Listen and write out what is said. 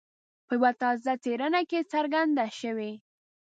په یوه تازه څېړنه کې څرګنده شوي.